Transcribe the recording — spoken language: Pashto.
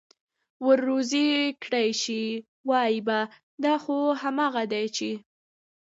ور روزي كړى شي، وايي به: دا خو همغه دي چې: